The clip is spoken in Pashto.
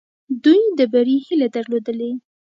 دوی د بري هیله درلودلې.